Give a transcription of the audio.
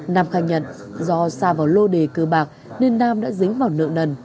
nam khai nhận do xa vào lô đề cơ bạc nên nam đã dính vào nợ nần